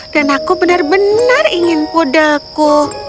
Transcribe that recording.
dan aku benar benar ingin puderku